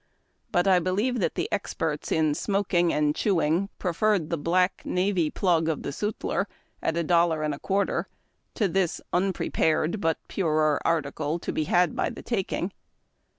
But I believe that the experts in smoking and chew ing preferred the black navy plug of the sutler, at a dol lar and a quarter, to this unprepared but purer article to be had by the taking.